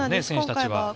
選手たちは。